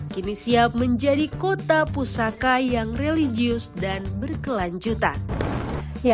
kini siap menjadi kota pusaka yang religius dan berkelanjutan